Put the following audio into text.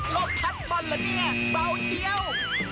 โลกพัฒน์บอลล่ะนี่เบาเชี้ยว